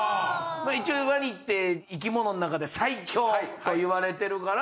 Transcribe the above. まあ一応ワニって生き物の中で最強と言われてるから。